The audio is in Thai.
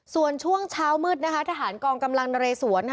ส่วนช่วงเช้ามืดนะคะทหารกองกำลังนเรสวน